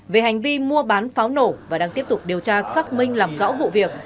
về hành vi mua bán pháo nổ và đang tiếp tục điều tra xác minh làm rõ vụ việc